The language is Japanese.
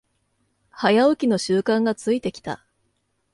早起きの習慣がついてきた